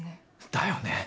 だよね。